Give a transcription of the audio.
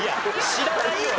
「知らないよ」は。